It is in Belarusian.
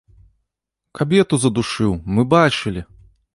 Кабету задушыў, мы бачылі!